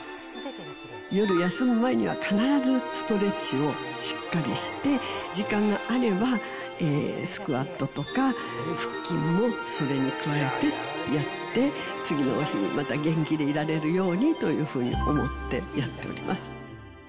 夜休む前には必ずストレッチをしっかりして、時間があればスクワットとか腹筋もそれに加えてやって、次の日、また元気でいられるようにというふうに思ってやっております。